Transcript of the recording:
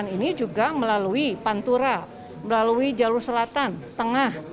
ini juga melalui pantura melalui jalur selatan tengah